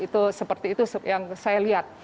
itu seperti itu yang saya lihat